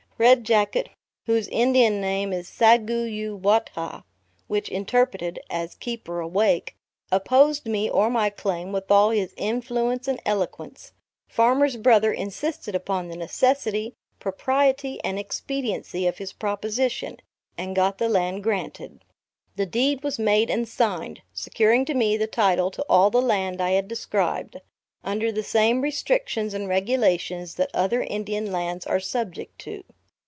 Red Jacket, whose Indian name is Sagu yu what hah, which interpreted, as Keeper awake, opposed me or my claim with all his influence and eloquence. Farmer's Brother insisted upon the necessity, propriety and expediency of his proposition, and got the land granted. The deed was made and signed, securing to me the title to all the land I had described; under the same restrictions and regulations that other Indian lands are subject to.